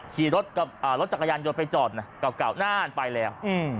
ขี่รถจักรยานยนต์ไปจอดนะเก่าน่านไปแล้ว